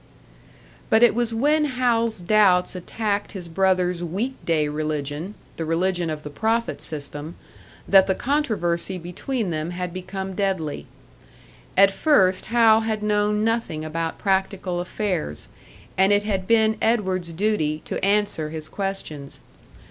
But it was when Hal's doubts attacked his brother's week day religion the religion of the profit system that the controversy between them had become deadly. At first Hal had known nothing about practical affairs, and it had been Edward's duty to answer his questions.